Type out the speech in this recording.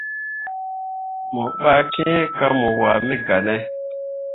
Mo ɓah kiŋ ko mo waaneml gah ne.